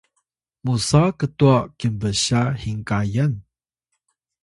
musa ktwa kinbsya hinkayan?